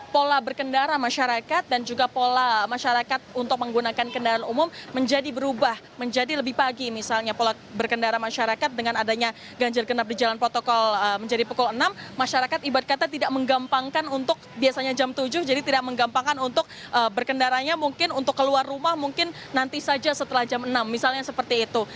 pola berkendara masyarakat dan juga pola masyarakat untuk menggunakan kendaraan umum menjadi berubah menjadi lebih pagi misalnya pola berkendara masyarakat dengan adanya ganjil genap di jalan protokol menjadi pukul enam masyarakat ibad kata tidak menggampangkan untuk biasanya jam tujuh jadi tidak menggampangkan untuk berkendaranya mungkin untuk keluar rumah mungkin nanti saja setelah jam enam misalnya seperti itu